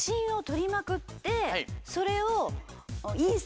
それを。